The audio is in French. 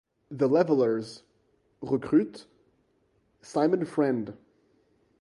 The Levellers recruitent Simon Friend.